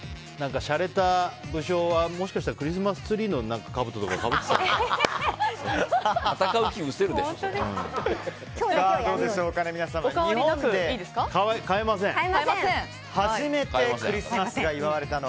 しゃれた武将はもしかしたらクリスマスツリーのかぶととかかぶっていたかも。